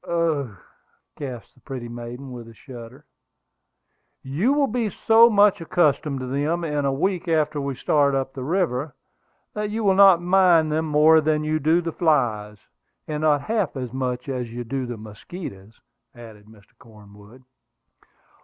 "Ugh!" gasped the pretty maiden, with a shudder. "You will be so much accustomed to them in a week after we start up the river, that you will not mind them more than you do the flies, and not half so much as you do the mosquitoes," added Mr. Cornwood.